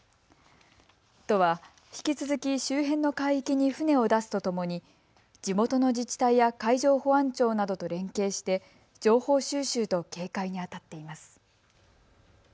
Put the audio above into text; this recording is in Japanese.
都は引き続き周辺の海域に船を出すとともに地元の自治体や海上保安庁などと連携して情報収集と警戒にあたっています。